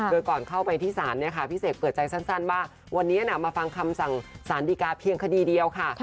โดยก่อนเข้าไปที่ศาลพี่เสกเปิดใจสั้นว่าวันนี้มาฟังคำสั่งสารดีกาเพียงคดีเดียวค่ะ